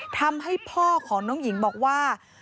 ทำให้พ่อของน้องหญิงบอกว่า